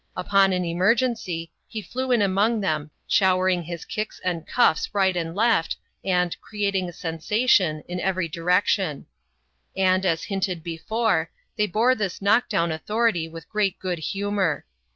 Upon an emergency, he lleYr in among them, CHAP, m.] FURTHER ACCOUNT OF THE JULIA. 13 showering his kicks and cuffs right and left, and "creating a seDsation " in every direction. And, as hinted before, they bore this knock down authority with great good humour.